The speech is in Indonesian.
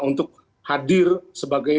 untuk hadir sebagai